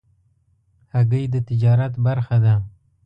هګۍ د تجارت برخه ده.